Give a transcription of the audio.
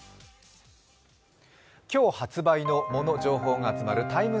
今日発売の物・情報が集まるＴＩＭＥ